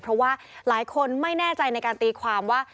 เพราะว่าหลายคนไม่แน่ใจในการตีความว่า